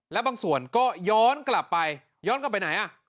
แล้วบางส่วนก็ย้อนกลับไปย้อนกลับไปไหนอ่ะ